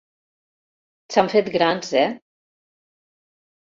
S'han fet grans, eh?